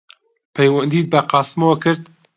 پەیوەندیت بە قاسمەوە کرد؟